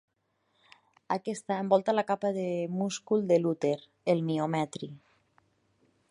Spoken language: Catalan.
Aquesta envolta la capa de múscul de l'úter, el miometri.